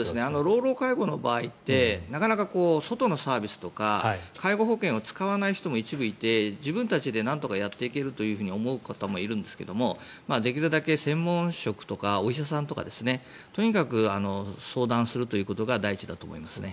老老介護の場合ってなかなか外のサービスとか介護保険を使わない人も一部いて自分たちでなんとかやっていけると思う方もいますができるだけ専門職とかお医者さんとかとにかく相談するということが大事だと思います。